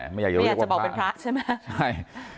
อยากจะบอกเป็นพระใช่ไหมใช่